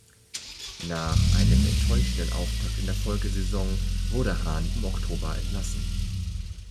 Nach einem enttäuschenden Auftakt in der Folgesaison, wurde Haan im Oktober entlassen.